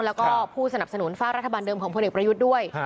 แล้วก็ผู้สนับสนุนฝ้ารัฐบาลเดิมของพลเอกประยุทธ์ด้วย